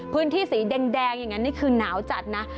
พื้นที่สีแดงอย่างนั้นนี่คือหนาวจัดนะ